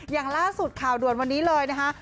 อย่างล่าสุดข่าวด่วนวันนี้เลยนะคะ